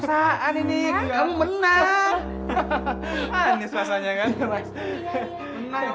terima kasih banyak ya mas ya